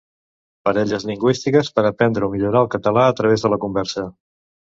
Parelles lingüístiques per aprendre o millorar el català a través de la conversa.